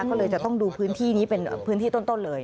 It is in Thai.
ก็เลยจะต้องดูพื้นที่นี้เป็นพื้นที่ต้นเลย